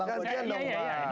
gantian dong pak